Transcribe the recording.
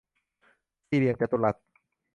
สี่เหลี่ยมจัตุรัส